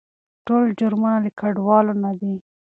ټول جرمونه له کډوالو نه دي.